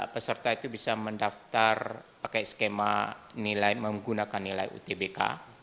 peserta itu bisa mendaftar pakai skema nilai menggunakan nilai utbk